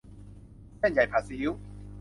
เส้นใหญ่ผัดซีอิ๊ว